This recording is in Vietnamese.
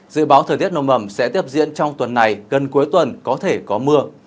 dự báo thời tiết nồm ẩm sẽ tiếp diễn trong tuần này gần cuối tuần có thể có mưa